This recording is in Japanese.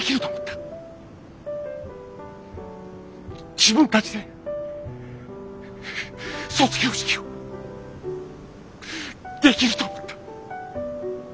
自分たちで卒業式をできると思った。